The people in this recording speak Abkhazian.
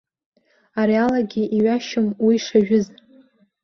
Ари алагьы иҩашьом уи шажәыз.